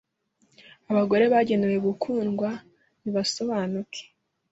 Abagore bagenewe gukundwa, ntibasobanuke.